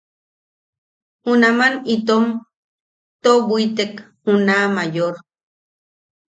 Junaman itom toʼobwitek juna Mayor.